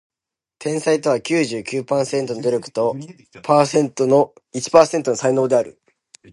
天才とは九十九パーセントの努力と一パーセントの才能である